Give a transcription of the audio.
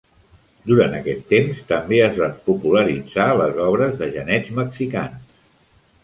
Durant aquest temps, també es van popularitzar les obres de genets mexicans.